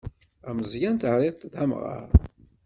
Ameẓyan terriḍ-t d amɣar.